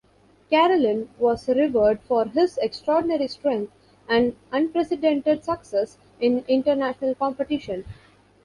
Karelin was revered for his extraordinary strength and unprecedented success in international competition.